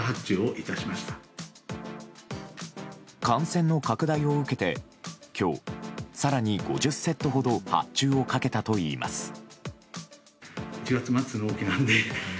感染の拡大を受けて今日、更に５０セットほど発注をかけたといいます。